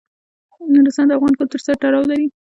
نورستان د افغان کلتور سره تړاو لري.